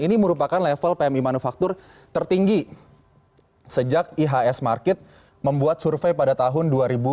ini merupakan level pmi manufaktur tertinggi sejak ihs market membuat survei pada tahun dua ribu dua puluh